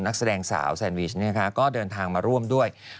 นักแสดงสาวแซนวิชก็เดินทางมาร่วมด้วย